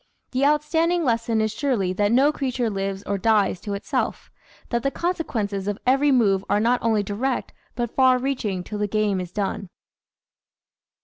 The out standing lesson is surely that no creature lives or dies to itself, that the consequences of every move are not only direct but far reaching till the game is done.